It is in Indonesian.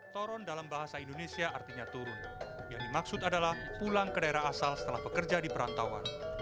toron dalam bahasa indonesia artinya turun yang dimaksud adalah pulang ke daerah asal setelah pekerja di perantauan